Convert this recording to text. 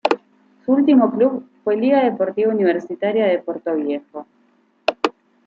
Su último club fue Liga Deportiva Universitaria de Portoviejo.